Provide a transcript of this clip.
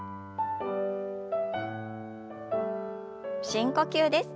深呼吸です。